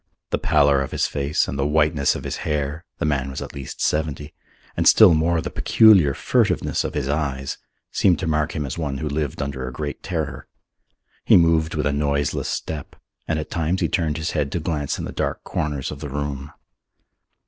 The pallor of his face and the whiteness of his hair (the man was at least seventy), and still more the peculiar furtiveness of his eyes, seemed to mark him as one who lived under a great terror. He moved with a noiseless step and at times he turned his head to glance in the dark corners of the room.